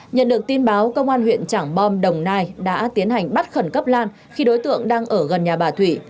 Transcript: nhận được tin báo công an huyện trảng bom đồng nai đã tiến hành bắt khẩn cấp lan khi đối tượng đang ở gần nhà bà thủy